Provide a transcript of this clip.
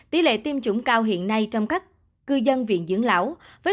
tỷ lệ tiêm chủng cao hiện nay trong các cư dân viện dưỡng lão với